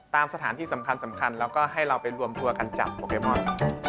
ตามสถานที่สำคัญแล้วก็ให้เราไปรวมตัวกันจับโปเกมอน